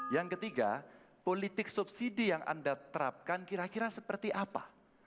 yang ketiga politik subsidi yang anda terapkan kira kira seperti apa